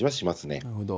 なるほど。